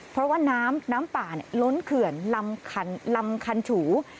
เพราะว่าน้ำน้ำป่าล้นเขื่อนลำคันฉู